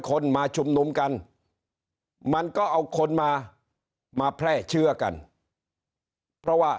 คนมาชุมนุมกันมันก็เอาคนมามาแพร่เชื้อกันเพราะว่า